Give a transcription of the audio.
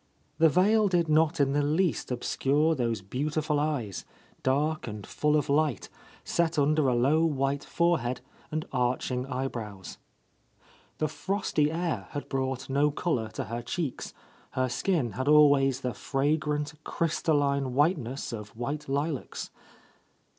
The veil did not in the least obscure those beauti ful eyes, dark and full of light, set under a low white forehead and arching eyebrows. The frosty air had brought no colour to her cheeks, — her skin had always the fragrant, crystalline white ness of white lilacs.